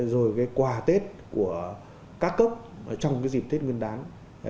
rồi quà tết của các cấp trong dịp tết nguyên đáng